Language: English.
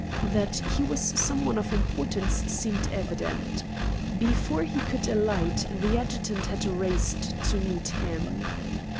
That he was some one of importance seemed evident. Before he could alight the adjutant had raced to meet him.